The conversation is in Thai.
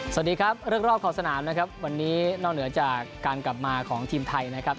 สวัสดีครับเรื่องรอบขอบสนามนะครับวันนี้นอกเหนือจากการกลับมาของทีมไทยนะครับ